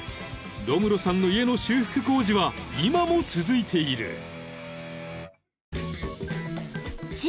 ［ロムロさんの家の修復工事は今も続いている］